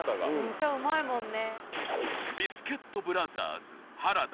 歌うまいもんね。